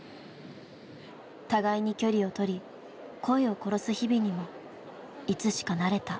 互いに距離を取り声を殺す日々にもいつしか慣れた。